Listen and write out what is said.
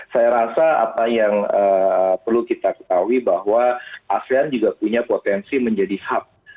saya rasa apa yang perlu kita ketahui bahwa asean juga punya potensi menjadi hub